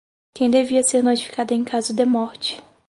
quem devia ser notificado em caso de morte